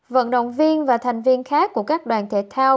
vận động viên và thành viên khác của các đoàn thể thao